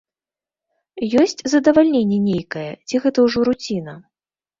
Ёсць задавальненне нейкае, ці гэта ўжо руціна?